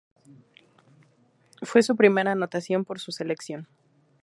Fue su primera anotación por su selección.